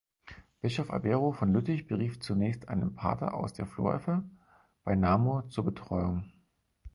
Bischof Albero von Lüttich berief zunächst einen Pater aus Floreffe bei Namur zur Betreuung.